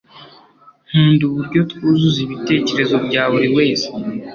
Nkunda uburyo twuzuza ibitekerezo bya buri wese